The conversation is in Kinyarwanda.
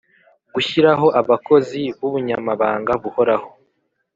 Gushyiraho abakozi b ubunyamabanga buhoraho